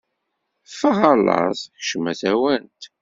Ffeɣ a laẓ, kcem a tawant!